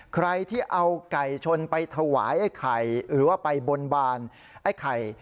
ใครที่เอาไก่ชนไปถวายไอ้ไข่หรือว่าไปบนบานไอ้ไข่